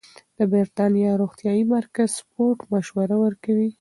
د بریتانیا روغتیايي مرکز سپورت مشوره ورکوي.